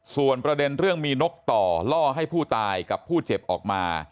ส่วนประเด็นเรื่องมีนกต่อล่อให้ผู้ตายกับผู้เจ็บออกมา